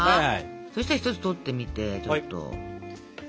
そしたら１つ取ってみてちょっと。